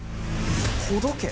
「ほどけ」